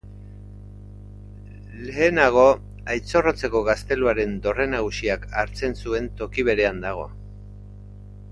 Lehenago Aitzorrotzeko gazteluaren dorre nagusiak hartzen zuen toki berean dago.